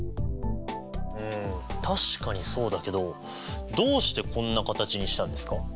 確かにそうだけどどうしてこんな形にしたんですか？